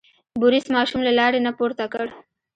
بوریس ماشوم له لارې نه پورته کړ.